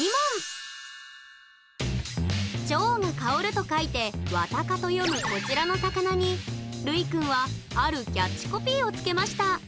「腸が香る」と書いて「ワタカ」と読むこちらの魚にるいくんはあるキャッチコピーを付けました。